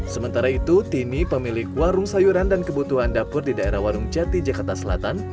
sementara itu tini pemilik warung sayuran dan kebutuhan dapur di daerah warung jati jakarta selatan